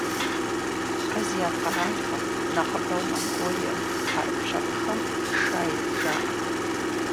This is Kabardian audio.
Азиат къэралхэм, нэхъыбэу Монголием, хьэрып лъэпкъхэм - «шай» жаӏэ.